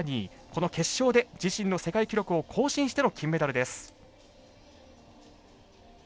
この決勝で自身の世界記録を更新しての金メダルです。